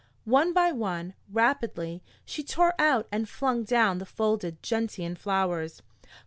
One by one, rapidly, she tore out and flung down the folded gentian flowers.